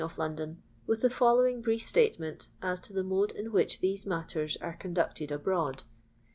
of London, with the following brief itatement as to the mode in which theie matters are condacted abroad.